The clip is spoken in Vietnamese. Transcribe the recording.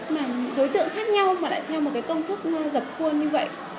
mà đối tượng khác nhau mà lại theo một công thức dập khuôn như vậy